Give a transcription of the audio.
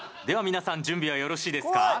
では皆さん準備はよろしいですか？